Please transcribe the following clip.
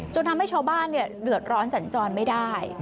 ทำให้ชาวบ้านเดือดร้อนสัญจรไม่ได้